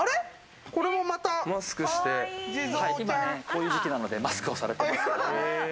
今こういう時期なのでマスクをしています。